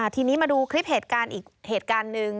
ทีนี้มาดูคลิปเหตุการณ์อีกเหตุการณ์หนึ่ง